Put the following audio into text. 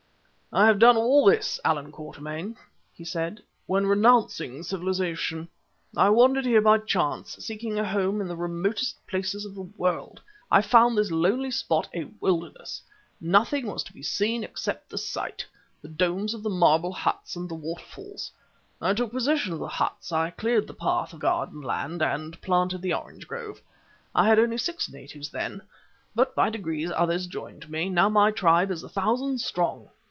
"I have done all this, Allan Quatermain," he said. "When renouncing civilization, I wandered here by chance; seeking a home in the remotest places of the world, I found this lonely spot a wilderness. Nothing was to be seen except the site, the domes of the marble huts, and the waterfalls. I took possession of the huts. I cleared the path of garden land and planted the orange grove. I had only six natives then, but by degrees others joined me, now my tribe is a thousand strong.